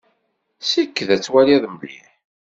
Sekked ad twaliḍ mliḥ!